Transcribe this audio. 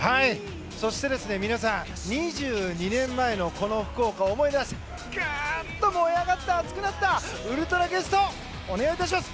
そして２２年前の福岡を思い出してグーッと燃え上がって熱くなったウルトラゲスト、お願いします！